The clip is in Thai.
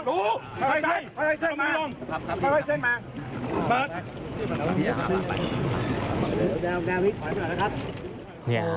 โดยก็ยาวเซ็ตครั้งนี้